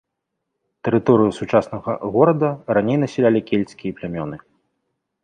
Тэрыторыю сучаснага горада раней насялялі кельцкія плямёны.